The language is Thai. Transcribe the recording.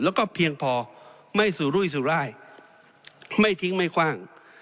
แล้วก็เพียงพอไม่สุรุยสุรายไม่ทิ้งไม่คว่าง